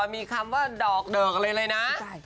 มีคำว่าดอกเดิกอะไรเลยนะ